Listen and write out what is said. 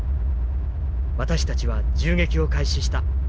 私たちは銃撃を開始した。